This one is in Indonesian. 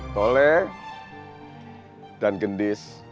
toleh dan gendis